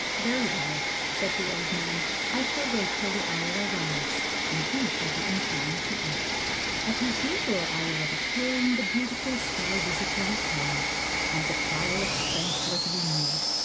"Very well," said the old man, "I shall wait till the hour arrives, and you shall be inclined to eat." At his usual hour of appearing, the beautiful sky visitor returned, and the trial of strength was renewed.